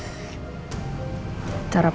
enggak pakai cara emosi